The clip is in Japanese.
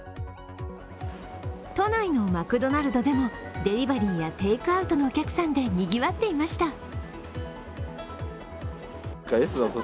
都内のマクドナルドでもデリバリーやテイクアウトのお客さんでにぎわっていました。